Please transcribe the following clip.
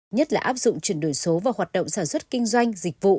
nhất là áp dụng chuyển đổi số và hoạt động sản xuất kinh doanh dịch vụ